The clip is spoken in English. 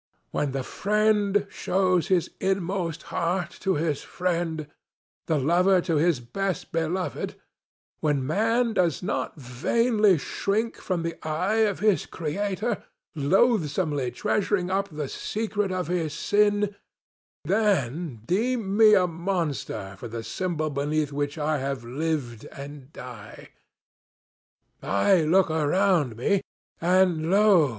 When the friend shows his inmost heart to his friend, the lover to his best beloved; when man does not vainly shrink from the eye of his Creator, loathsomely treasuring up the secret of his sin,—then deem me a monster for the symbol beneath which I have lived and die. I look around me, and, lo!